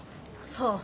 そう。